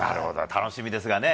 楽しみですがね。